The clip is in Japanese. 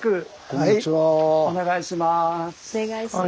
お願いします。